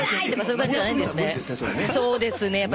そうですね。